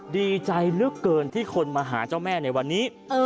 ดีใจเหลือเกินที่คนมาหาเจ้าแม่ในวันนี้